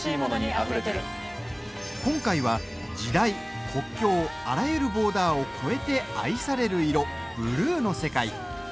今回は時代、国境あらゆるボーダーを超えて愛される色、ブルーの世界。